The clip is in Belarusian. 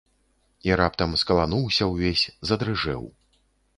І раптам скалануўся ўвесь, задрыжэў.